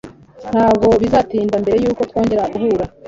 Ntabwo bizatinda mbere yuko twongera guhura.